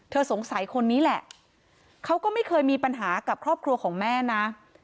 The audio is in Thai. สงสัยคนนี้แหละเขาก็ไม่เคยมีปัญหากับครอบครัวของแม่นะ